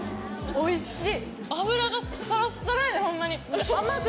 おいしい！